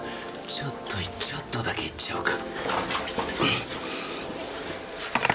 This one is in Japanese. ちょっとちょっとだけ行っちゃおうか。